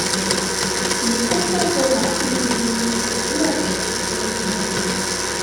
Les contemporains nous ont laissé peu de notes sur ce régiment.